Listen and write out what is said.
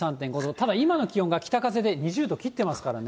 ただ、今の気温が北風で２０度切ってますからね。